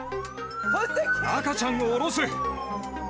赤ちゃんを降ろせ。